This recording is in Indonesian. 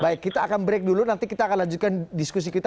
baik kita akan break dulu nanti kita akan lanjutkan diskusi kita